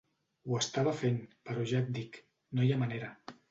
Ho estava fent, però ja et dic, no hi ha manera.